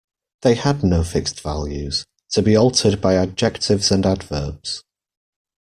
They had no fixed values, to be altered by adjectives and adverbs.